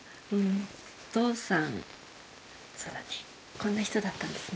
お父さんそうだねこんな人だったんですね。